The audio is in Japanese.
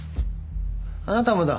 あなたもだ。